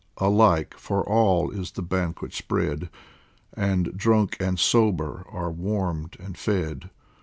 Alike for all is the banquet spread, And drunk and sober are warmed and fed.